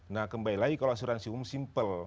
nah kembali lagi kalau asuransi umum simpel